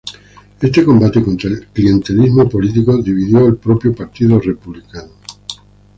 Este combate contra el clientelismo político dividió al propio Partido Republicano.